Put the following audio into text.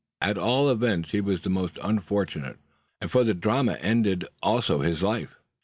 At all events he was the most unfortunate: for with the drama ended also his life.